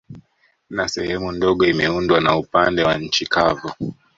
Na sehemu ndogo imeundwa na upande wa nchi kavu